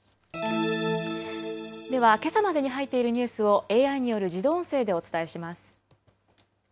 では、けさまでに入っているニュースをＡＩによる自動音声でお伝えします。